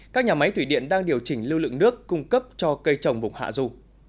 các nhà máy thủy điện đang điều chỉnh lưu lượng nước cung cấp cho cây trồng vùng hạ du